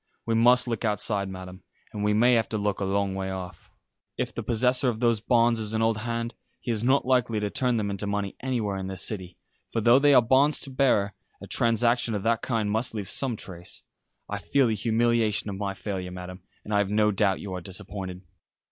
We must look outside, Madam, and we may have to look a long way off. If the possessor of those bonds is an old hand, he is not likely to turn them into money anywhere in this City; for though they are bonds to bearer, a transaction of that kind must leave some trace. I feel the humiliation of my failure, Madam, and I have no doubt you are disappointed."